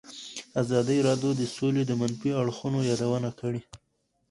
ازادي راډیو د سوله د منفي اړخونو یادونه کړې.